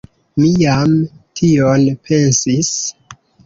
Mi jam tion pensis.